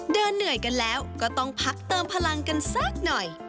เหนื่อยกันแล้วก็ต้องพักเติมพลังกันสักหน่อย